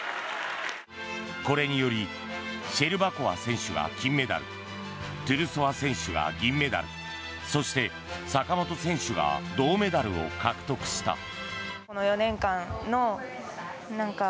これによりシェルバコワ選手が金メダルトゥルソワ選手が銀メダルそして、坂本選手が銅メダルを獲得した。